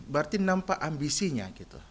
berarti nampak ambisinya gitu